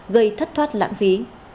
gây thất thoát lãng phí